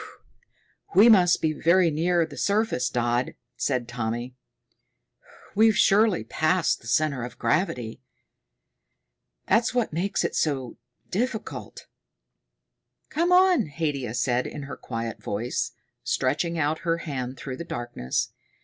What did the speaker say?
"We must be very near the surface, Dodd," said Tommy. "We've surely passed the center of gravity. That's what makes it so difficult." "Come on," Haidia said in her quiet voice, stretching out her hand through the darkness.